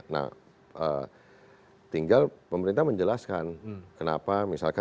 nah tinggal pemerintah menjelaskan kenapa misalkan